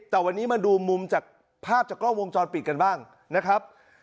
แต่วันนี้มาดูมุมจากภาพจากกล้องวงจรปิดกันบ้างนะครับ